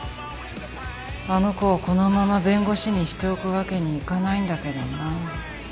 あの子をこのまま弁護士にしておくわけにいかないんだけどな。